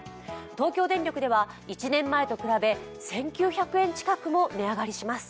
東京電力では１年前と比べ１９００円近く値上がりします。